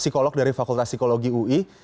psikolog dari fakultas psikologi ui